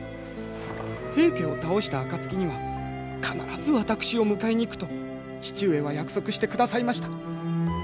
平家を倒した暁には必ず私を迎えに行くと父上は約束してくださいました。